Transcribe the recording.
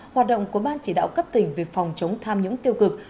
hoạt động của ban chỉ đạo cấp tỉnh về phòng chống tham nhũng tiêu cực